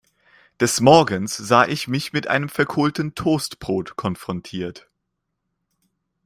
Des Morgens sah ich mich mit einem verkohlten Toastbrot konfrontiert.